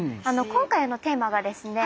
今回のテーマがですね